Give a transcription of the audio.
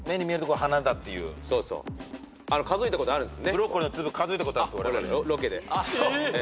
数えたことあるんです。